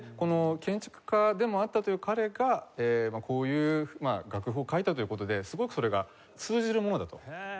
建築家でもあったという彼がこういう楽譜を書いたという事ですごくそれが通じるものだと。